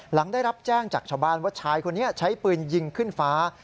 หลังได้รับแจ้งจากชาวบ้านว่าชายคนนี้ใช้ปืนยิงขึ้นฟ้า